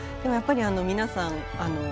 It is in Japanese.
やっぱり皆さん